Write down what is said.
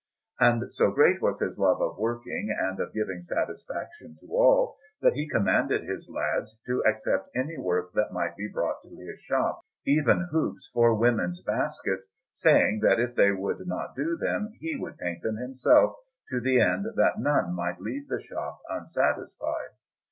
And so great was his love of working and of giving satisfaction to all, that he commanded his lads to accept any work that might be brought to his shop, even hoops for women's baskets, saying that if they would not do them he would paint them himself, to the end that none might leave the shop unsatisfied.